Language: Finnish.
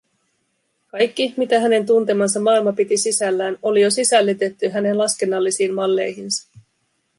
Kaikki, mitä hänen tuntemansa maailma piti sisällään, oli jo sisällytetty hänen laskennallisiin malleihinsa.